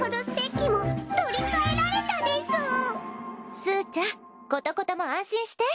しかもすうちゃんコトコトも安心して。